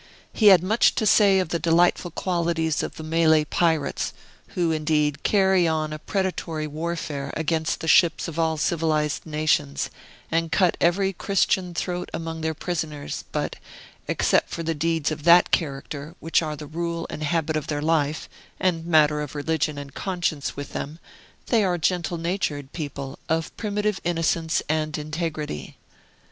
He had much to say of the delightful qualities of the Malay pirates, who, indeed, carry on a predatory warfare against the ships of all civilized nations, and cut every Christian throat among their prisoners; but (except for deeds of that character, which are the rule and habit of their life, and matter of religion and conscience with them) they are a gentle natured people, of primitive innocence and integrity.